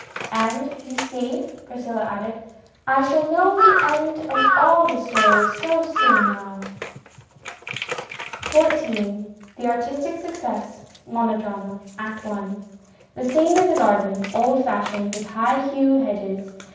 " And you see," Priscilla added, " I shall know the end of all the stories so soon now." XIV THE ARTISTIC SUCCESS (Monodrama) ACT I The scene is a garden, old fashioned, with high yew hedges.